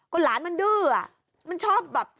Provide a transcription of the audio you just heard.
ก็หลานมันดื้อมันชอบดา